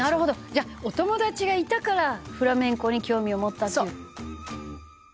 「じゃあお友達がいたからフラメンコに興味を持った」